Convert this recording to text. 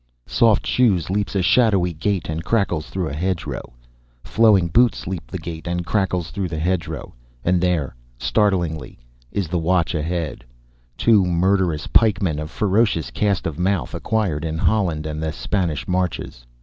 Soft Shoes leaps a shadowy gate and crackles through a hedgerow. Flowing Boots leap the gate and crackles through the hedgerow and there, startlingly, is the watch ahead two murderous pikemen of ferocious cast of mouth acquired in Holland and the Spanish marches.